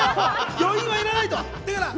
余韻はいらないと。